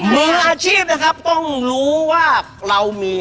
มืออาชีพนะครับต้องรู้ว่าเรามี